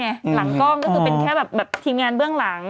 หลังกล้องก็คือเป็นแค่แบบทีมงานเบื้องหลัง